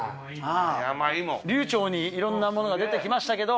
流ちょうにいろんなものが出てきましたけど。